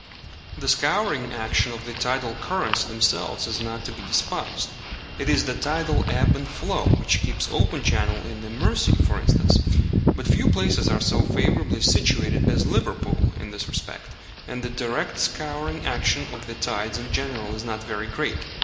The scouring action of the tidal currents themselves is not to be despised. It is the tidal ebb and flow which keeps open channel in the Mersey, for instance. But few places are so favourably situated as Liverpool in this respect, and the direct scouring action of the tides in general is not very great.